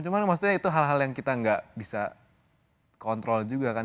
cuma maksudnya itu hal hal yang kita nggak bisa kontrol juga kan